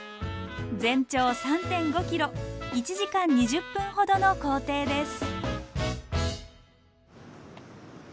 全長３．５ｋｍ１時間２０分ほどの行程です。